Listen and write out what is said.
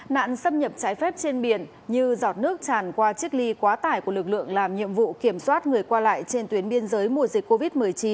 nạn xâm nhập trái phép trên biển như giọt nước tràn qua chiếc ly quá tải của lực lượng làm nhiệm vụ kiểm soát người qua lại trên tuyến biên giới mùa dịch covid một mươi chín